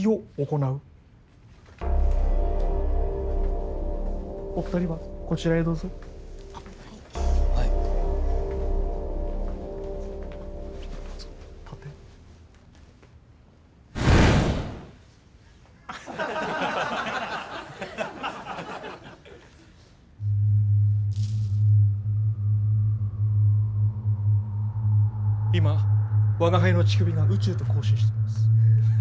今我が輩の乳首が宇宙と交信しています。